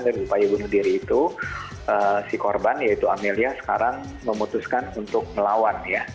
dari upaya bunuh diri itu si korban yaitu amelia sekarang memutuskan untuk melawan ya